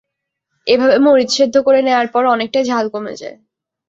এভাবে মরিচ সেদ্ধ করে নেওয়ার পর অনেকটাই ঝাল কমে যায়।